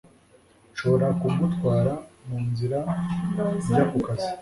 Nshobora kugutwara munzira njya kukazi